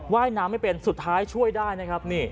ว่ายน้ำไม่เป็นสุดท้ายช่วยได้นะครับ